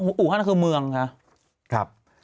อู่ฮั่นคือเมืองครับ